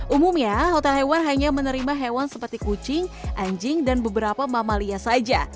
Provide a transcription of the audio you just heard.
umumnya hotel hewan hanya menerima hewan seperti kucing anjing dan beberapa mamalia saja